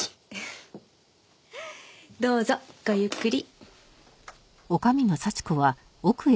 どうぞごゆっくり。